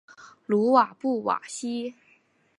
鲁瓦布瓦西。